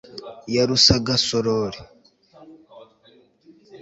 Ya rusaga sorori